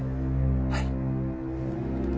はい。